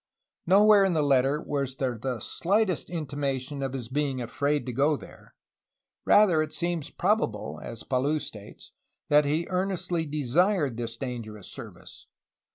Nowhere in the letter was there the slightest intimation of his being afraid to go there; rather it seems probable, as Palou states, that he earnestly desired this dangerous service.